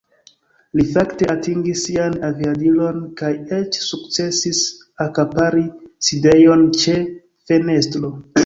Li fakte atingis sian aviadilon kaj eĉ sukcesis akapari sidejon ĉe fenestro.